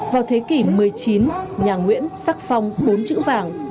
vào thế kỷ một mươi chín nhà nguyễn sắc phong bốn chữ vàng